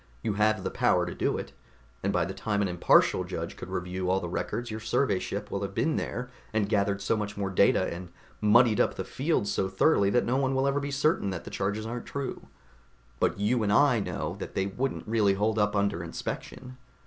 You have the power to do it. And by the time an impartial judge could review all the records, your survey ship will have been there and gathered so much more data and muddied up the field so thoroughly that no one will ever be certain that the charges aren't true. But you and I know that they wouldn't really hold up under inspection.